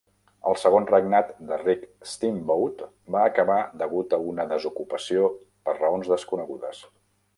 El segon regnat de Rick Steamboat va acabar degut a una desocupació per raons desconegudes.